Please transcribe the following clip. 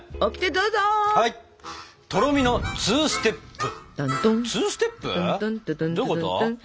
どういうこと？